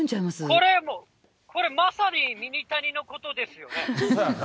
これ、まさにミニタニのことですよね。